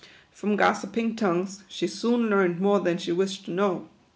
From gossiping tongues she soon learned more than she wished to know.